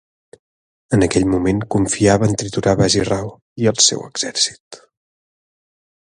En aquell moment confiava en triturar Baji Rao i el seu exèrcit.